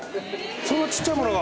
そんなちっちゃいものが。